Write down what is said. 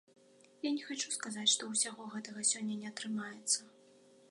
Я не хачу сказаць, што ўсяго гэтага сёння не атрымаецца.